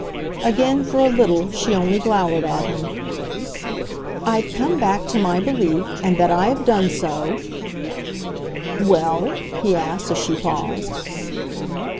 Again, for a little, she only glowered at him. "I've come back to my belief, and that I have done so " "Well?" he asked as she paused.